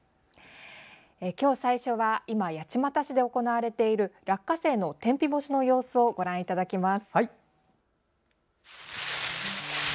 今日最初は今、八街市で行われている落花生の天日干しの様子をご覧いただきます。